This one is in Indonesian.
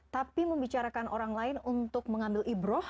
tapi membicarakan orang lain untuk mengambil ibrah